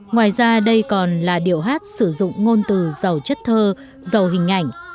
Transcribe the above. ngoài ra đây còn là điệu hát sử dụng ngôn từ giàu chất thơ giàu hình ảnh